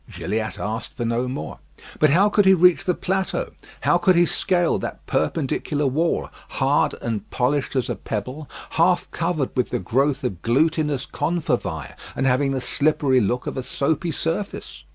Gilliatt asked for no more. But how could he reach the plateau? How could he scale that perpendicular wall, hard and polished as a pebble, half covered with the growth of glutinous confervæ, and having the slippery look of a soapy surface?